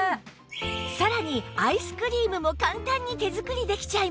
さらにアイスクリームも簡単に手作りできちゃいます